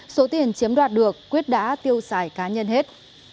số tiền chiếm đoạt được quyết đã tiêu xài cá nhân hết